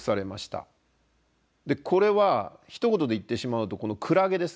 これはひと言で言ってしまうとクラゲですね。